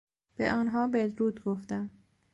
به آنها بدرود گفتم.